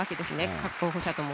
各候補者とも。